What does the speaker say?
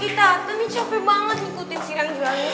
kakita aku nih capek banget ngikutin si ranggirang